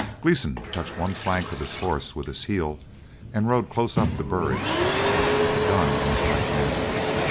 Gleeson touched one flank of his horse with his heel, and rode close up to Burridge with the gun in his right hand.